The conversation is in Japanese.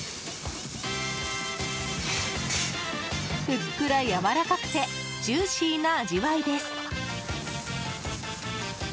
ふっくらやわらかくてジューシーな味わいです。